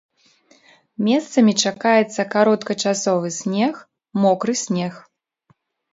Месцамі чакаецца кароткачасовы снег, мокры снег.